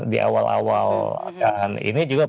di awal awal ini juga